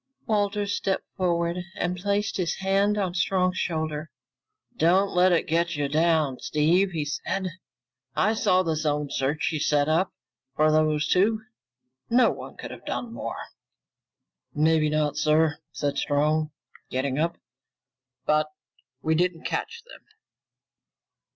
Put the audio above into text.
Walters stepped forward and placed his hand on Strong's shoulder. "Don't let it get you down, Steve," he said. "I saw the zone search you set up for those two. No one could have done more." "Maybe not, sir," said Strong, getting up, "but we didn't catch them."